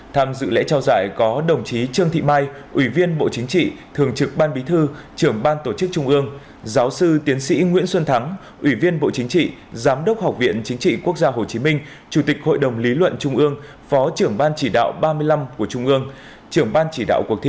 tham dự lễ trao giải có đồng chí trương thị mai ủy viên bộ chính trị thường trực ban bí thư trưởng ban tổ chức trung ương giáo sư tiến sĩ nguyễn xuân thắng ủy viên bộ chính trị giám đốc học viện chính trị quốc gia hồ chí minh chủ tịch hội đồng lý luận trung ương phó trưởng ban chỉ đạo ba mươi năm của trung ương trưởng ban chỉ đạo cuộc thi